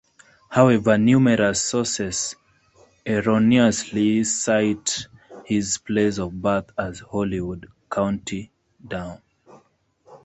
However, numerous sources erroneously cite his place of birth as Holywood, County Down.